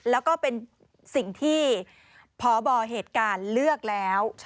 แล้วก็เป็นสิ่งที่พบเหตุการณ์เลือกแล้ว